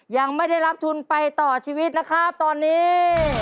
ยังไม่ได้รับทุนไปต่อชีวิตนะครับตอนนี้